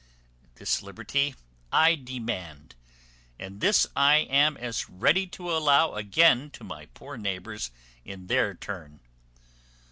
This liberty I demand, and this I am as ready to allow again to my poor neighbours in their turn.